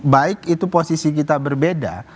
baik itu posisi kita berbeda